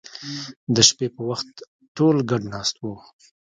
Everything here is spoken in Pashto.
د شپې په وخت ټول ګډ ناست وو